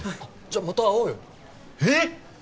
じゃあまた会おうよえっ